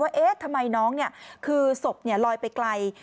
เอ๊ะทำไมน้องคือศพลอยไปไกล